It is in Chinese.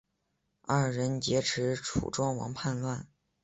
二人劫持楚庄王叛乱。